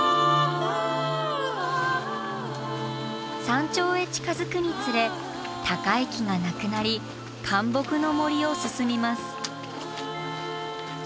山頂へ近づくにつれ高い木がなくなりかん木の森を進みます。